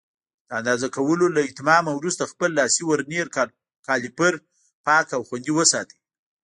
د اندازه کولو له اتمامه وروسته خپل لاسي ورنیر کالیپر پاک او خوندي وساتئ.